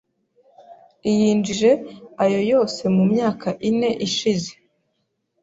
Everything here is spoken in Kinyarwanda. iyinjije ayo yose mu myaka ine ishize.